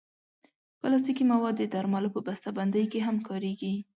پلاستيکي مواد د درملو په بستهبندۍ کې هم کارېږي.